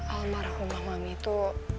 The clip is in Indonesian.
almarhum mama itu